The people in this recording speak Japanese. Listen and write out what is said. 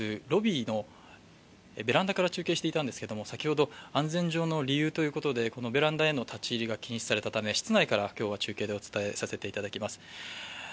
ロビーのベランダから中継していたんですが先ほど安全上の理由ということで、ベランダへの立ち入りが禁止されたため室内から今日は中継でお伝えさせていただきます。